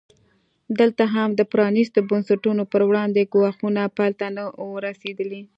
دلته هم د پرانیستو بنسټونو پر وړاندې ګواښونه پای ته نه وو رسېدلي.